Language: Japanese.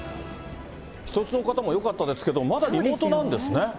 既卒の方もよかったですけど、まだリモートなんですね。